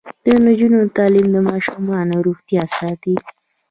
د نجونو تعلیم د ماشومانو روغتیا ساتي.